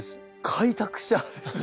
開拓者ですね。